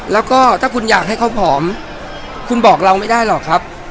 แล้วก็ถ้าคุณอยากให้เขาผอมคุณบอกเราไม่ได้หรอกครับ